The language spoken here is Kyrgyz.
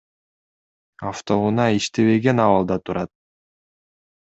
Автоунаа иштебеген абалда турат.